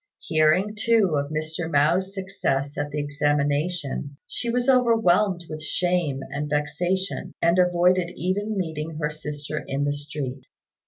Hearing, too, of Mr. Mao's success at the examination, she was overwhelmed with shame and vexation, and avoided even meeting her sister in the street.